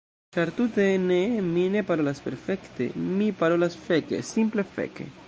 Ĉar tute ne, mi ne parolas perfekte, mi parolas feke! Simple feke!